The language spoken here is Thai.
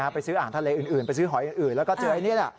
ไปซื้ออาหารทะเลอื่นไปซื้อหอยอื่นแล้วก็เจอไอ้นี่แหละ